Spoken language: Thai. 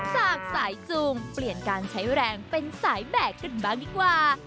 จากสายจูงเปลี่ยนการใช้แรงเป็นสายแบกกันบ้างดีกว่า